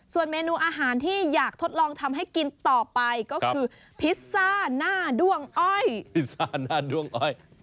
ส่วนเมนูอาหารที่อยากทดลองทำให้กินต่อไปก็คือพิซซ่าหน้าด้วงอ้อยพิซซ่าหน้าด้วงอ้อย